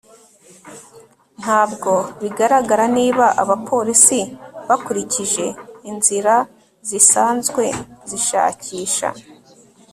ntabwo bigaragara niba abapolisi bakurikije inzira zisanzwe zishakisha